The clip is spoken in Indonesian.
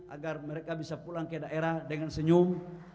agar mereka bisa pulang ke daerah dengan senyum